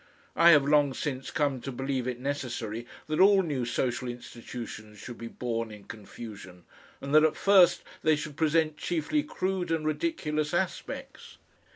I have long since come to believe it necessary that all new social institutions should be born in confusion, and that at first they should present chiefly crude and ridiculous aspects.